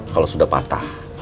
kalau sudah patah